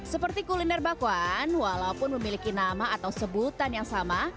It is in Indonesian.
seperti kuliner bakwan walaupun memiliki nama atau sebutan yang sama